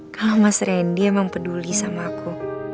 kalau mas randy emang peduli sama aku